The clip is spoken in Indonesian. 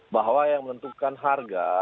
bahwa yang menentukan harga